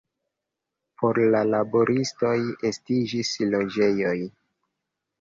Por la laboristoj estiĝis loĝejoj.